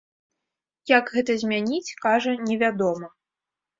Як гэта змяніць, кажа, не вядома.